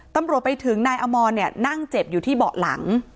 ตำรวจไปถึงนายอมรเนี่ยนั่งเจ็บอยู่ที่เบาะหลัง